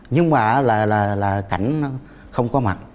nhưng mà là cảnh không có mặt